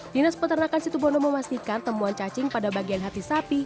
dinas peternakan situbondo memastikan temuan cacing pada bagian hati sapi